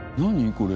これ。